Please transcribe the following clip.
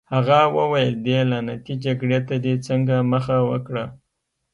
هغه وویل: دې لعنتي جګړې ته دې څنګه مخه وکړه؟